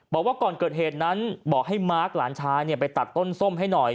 บอกว่าก่อนเกิดเหตุนั้นบอกให้มาร์คหลานชายไปตัดต้นส้มให้หน่อย